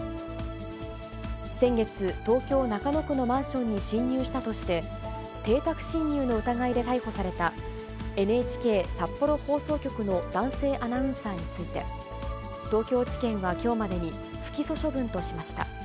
先月、東京・中野区のマンションに侵入したとして、邸宅侵入の疑いで逮捕されたＮＨＫ札幌放送局の男性アナウンサーについて、東京地検はきょうまでに、不起訴処分としました。